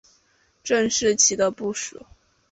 郑士琦的部属。